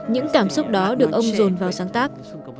những cảm xúc đó được ông dồn vào sáng tác